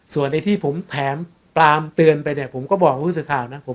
ส่วนในที่ผมแถมปรามเตือนไปเนี่ยผมก็บอกผู้สื่อข่าวนะครับ